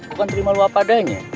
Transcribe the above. gue kan terima luapadanya